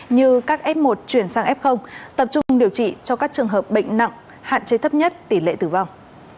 như các f một chuyển sang f tập trung điều trị cho các trường hợp bệnh nặng hạn chế thấp nhất tỷ lệ tử vong